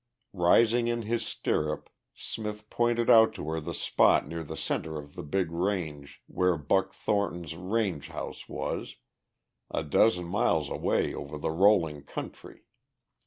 Rising in his stirrup Smith pointed out to her the spot near the centre of the big range where Buck Thornton's "range house" was, a dozen miles away over the rolling country.